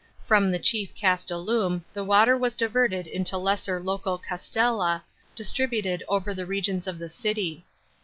From the chief castellum the water was diverted into lesser local castella, distributed over the regions of the city.